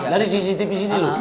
dari cctv sini